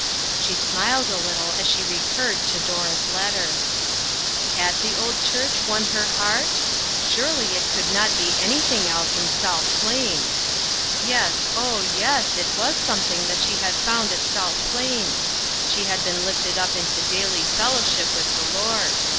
She smiled a little as she recurred to Dora's letter. INTERRUPTED. Had the old church won her heart? Surely it could not be anything else in South Plains! Yes, oh, yes, it was something that she had found at South Plains ; she had been lifted up into daily fellowship with the Lord.